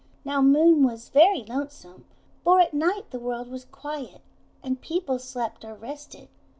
Now Moon was very lonesome, for at night the world was quiet, and people slept or rested.